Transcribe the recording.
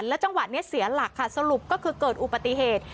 จังหวะนี้เสียหลักค่ะสรุปก็คือเกิดอุบัติเหตุ